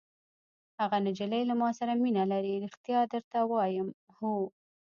هغه نجلۍ له ما سره مینه لري! ریښتیا درته وایم. هو.